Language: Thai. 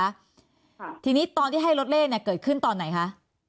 ค่ะทีนี้ตอนที่ให้รถเล่เนี้ยเกิดขึ้นตอนไหนคะ